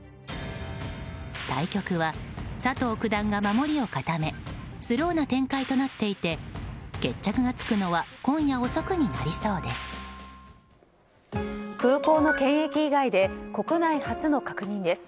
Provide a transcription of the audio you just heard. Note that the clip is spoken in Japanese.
対局は佐藤九段が守りを固めスローな展開となっていて決着がつくのは今夜遅くになりそうです。